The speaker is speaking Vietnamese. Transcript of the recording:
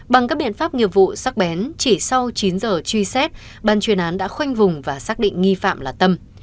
bằng các biện pháp nghiệp vụ sắc bén chỉ sau chín giờ truy xét ban chuyên án đã khoanh vùng và xác định nghi phạm là tâm